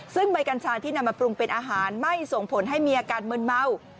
ซึ่งใบกัญชาที่นำมาปรุงเป็นอาหารไม่ส่งผลให้มีอาการมืนเมา